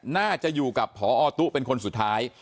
น่าจะอยู่กับพอตุ๊เป็นคนสุดท้าย